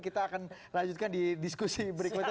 kita akan lanjutkan di diskusi berikutnya